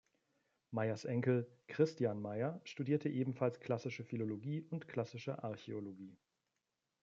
Meiers Enkel Christian Meier studierte ebenfalls Klassische Philologie und Klassische Archäologie.